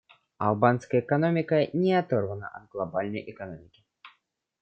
Албанская экономика не оторвана от глобальной экономики.